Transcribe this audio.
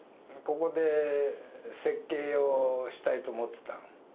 ここで設計をしたいと思ってたの。